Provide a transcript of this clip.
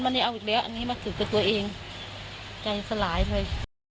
ได้เอาอีกแล้วอันนี้มาขึกกับตัวเองใจสลายไป